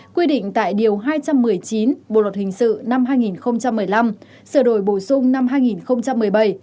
quy định tại điều hai trăm một mươi chín bộ luật hình sự năm hai nghìn một mươi năm sửa đổi bổ sung năm hai nghìn một mươi bảy